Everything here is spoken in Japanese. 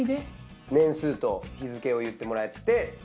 年数と日付を言ってもらって。